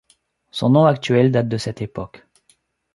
Son nom actuel date de cette époque.